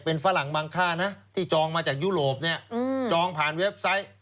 เป็นฝรั่งบางค่านะที่จองมาจากยุโรปเนี่ยจองผ่านเว็บไซต์